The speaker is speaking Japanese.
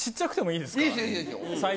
いいですよ。